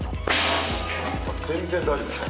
全然大丈夫です